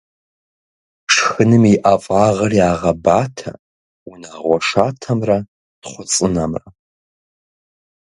Шхыным и ӏэфагъыр ягъэбатэ унагъуэ шатэмрэ тхъуцӏынэмрэ.